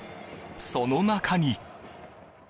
その中に。